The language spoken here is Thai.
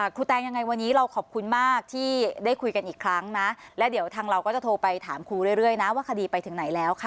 แตงยังไงวันนี้เราขอบคุณมากที่ได้คุยกันอีกครั้งนะและเดี๋ยวทางเราก็จะโทรไปถามครูเรื่อยนะว่าคดีไปถึงไหนแล้วค่ะ